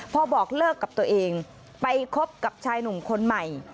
พอบอกเลิกกับตัวเองไปคบกับชายหนุ่มคนใหม่